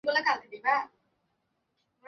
তিনি ষষ্ঠ আলেকজান্ডার নামটি বেছে নেন।